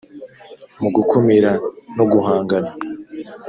mu gukumira no guhangana